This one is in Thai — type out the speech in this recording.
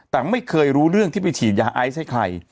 แต่ไม่เคยรู้เรื่องที่ไปฉีดยาไอซ์ให้ใคร